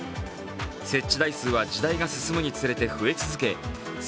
設置台数は時代が進むにつれ増え続け